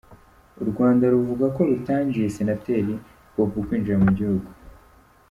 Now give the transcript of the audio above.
U Rwanda ruvuga ko rutangiye Senateri Bobu kwinjira mu gihugu